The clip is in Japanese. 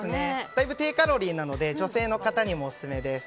だいぶ低カロリーなので女性の方にもおすすめです。